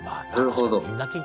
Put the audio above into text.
なるほど。